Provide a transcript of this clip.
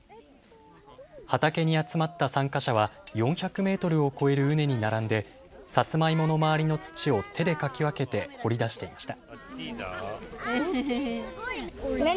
畑に集まった参加者は４００メートルを超える畝に並んでさつまいもの周りの土を手でかき分けて掘り出していました。